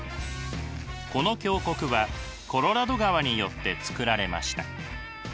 この峡谷はコロラド川によってつくられました。